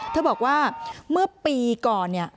เธอบอกว่าเมื่อปีก่อน